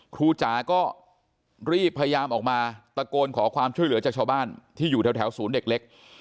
จ๋าก็รีบพยายามออกมาตะโกนขอความช่วยเหลือจากชาวบ้านที่อยู่แถวศูนย์เด็กเล็ก